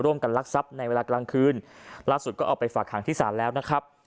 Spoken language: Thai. รักทรัพย์ในเวลากลางคืนล่าสุดก็เอาไปฝากหางที่ศาลแล้วนะครับ